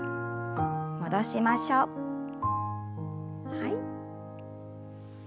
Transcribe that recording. はい。